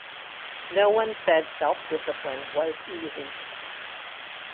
No one said self-discipline was easy.